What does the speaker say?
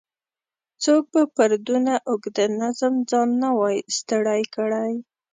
څوک به پر دونه اوږده نظم ځان نه وای ستړی کړی.